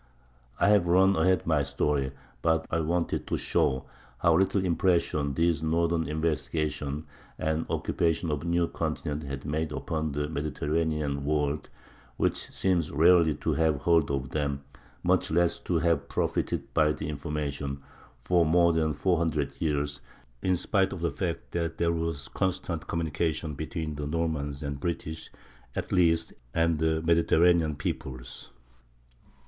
I have run ahead of my story, but I wanted to show how little impression these northern investigations and occupation of a new continent had made upon the Mediterranean "world," which seems rarely to have heard of them, much less to have profited by the information, for more than four hundred years, in spite of the fact that there was constant communication between the Normans and British, at least, and the Mediterranean peoples.